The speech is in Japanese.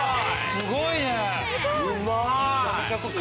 すごいな！